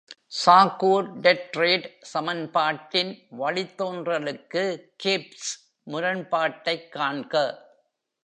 சாக்கூர்-டெட்ரோட் சமன்பாட்டின் வழித்தோன்றலுக்கு கிப்ஸ் முரண்பாட்டைக் காண்க.